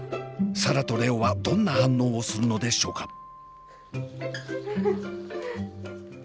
紗蘭と蓮音はどんな反応をするのでしょうか？